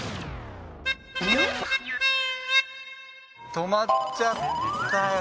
停まっちゃったよ